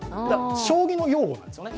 将棋の用語なんですね。